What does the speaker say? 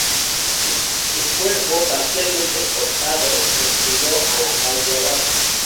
Su cuerpo parcialmente cortado se estrelló a la calle abajo.